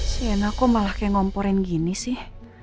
seenak kok malah kayak ngomporin gini sih